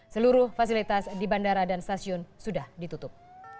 seluruh fasilitas di bandara dan stasiun sudah ditutup